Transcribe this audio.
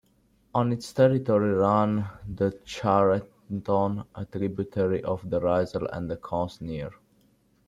On its territory run the Charentonne, a tributary of the Risle, and the Cosnier.